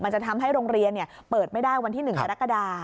จะทำให้โรงเรียนเปิดไม่ได้วันที่๑กรกฎา